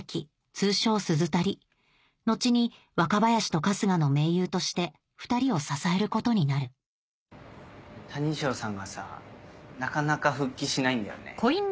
通称スズタリ後に若林と春日の盟友として２人を支えることになる谷ショーさんがさなかなか復帰しないんだよね。